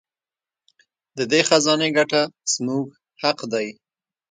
د دې خزانې ګټه زموږ حق دی.